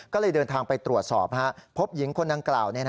ก็เลยเดินทางไปตรวจสอบพบหญิงคนดังกล่าว